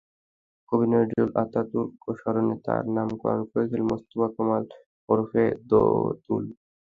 কবি নজরুল আতাতুর্ক স্মরণে তাঁর নামকরণ করেছিলেন মোস্তাফা কামাল ওরফে দোদুল।